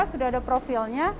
sudah ada profilnya